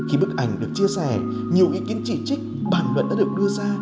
khi bức ảnh được chia sẻ nhiều ý kiến chỉ trích bản luận đã được đưa ra